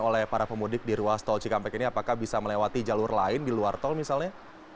oleh para pemudik di ruas tol cikampek ini apakah bisa melewati jalur lain di luar tol misalnya